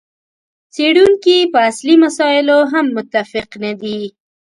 څېړونکي په اصلي مسایلو هم متفق نه دي.